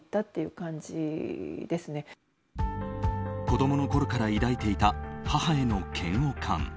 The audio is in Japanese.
子供のころから抱いていた母への嫌悪感。